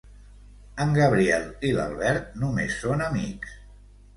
En Gabriel i l'Albert només són amics.